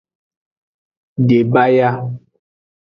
Debaya.